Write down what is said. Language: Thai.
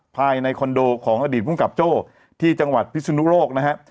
ภายในคอนโดของอดีตภูมิกับโจ้ที่จังหวัดพิศนุโลกนะฮะ